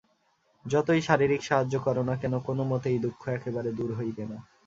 যতই শারীরিক সাহায্য কর না কেন, কোনমতেই দুঃখ একেবারে দূর হইবে না।